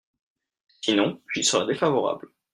Sinon, j’y serai défavorable.